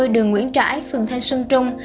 đường nguyễn trãi phường thanh xuân trung